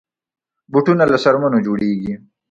بوټونه له څرمنو جوړېږي.